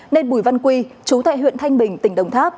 nên bùi văn quy chú tại huyện thanh bình tỉnh đồng tháp